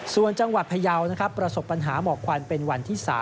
ส่วนจังหวัดพยาวนะครับประสบปัญหาหมอกควันเป็นวันที่๓